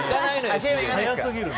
早すぎる。